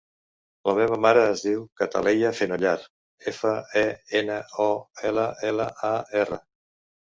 La meva mare es diu Cataleya Fenollar: efa, e, ena, o, ela, ela, a, erra.